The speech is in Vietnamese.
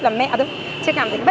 lần mới có thích hơn lớp cũ à